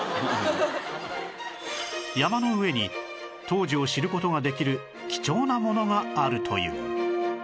山の上に当時を知る事ができる貴重なものがあるという